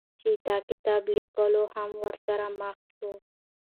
چې د کتاب ليکوال هم ورسره مخ شوى،